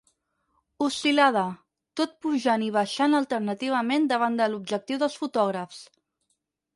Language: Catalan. Oscil·lada, tot pujant i baixant alternativament davant de l'objectiu dels fotògrafs.